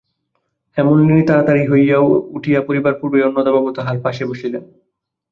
হেমনলিনী তাড়াতাড়ি উঠিয়া পড়িবার পূর্বেই অন্নদাবাবু তাহার পাশে বসিলেন।